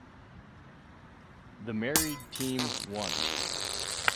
The Married team won.